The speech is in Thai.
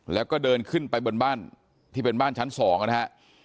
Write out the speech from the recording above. แล้วก็เดินขึ้นไปบนบ้านที่เป็นบ้านชั้น๒นะฮะ